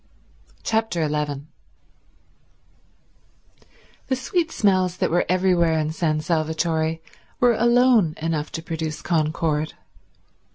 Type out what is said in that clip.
Chapter 11 The sweet smells that were everywhere in San Salvatore were alone enough to produce concord.